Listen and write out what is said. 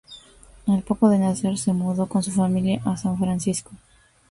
Al poco de nacer, se mudó con su familia a San Francisco.